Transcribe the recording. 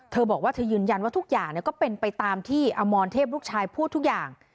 เธอบอกว่าเธอยืนยันว่าทุกอย่างก็เป็นไปตามที่อมรเทพลูกชายพูดทุกอย่าง